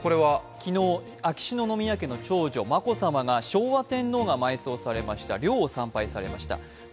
昨日、秋篠宮家の長女・眞子さまが昭和天皇が埋葬されました陵を参拝されました。